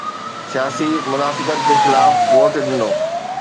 سياسي منافقت جي خلاف ووٽ ڏنو.